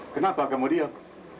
kenapa kamu diam